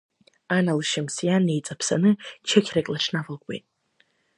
Ан лшьамсиа неиҵаԥсаны чықьрак лыҽнавалкуеит.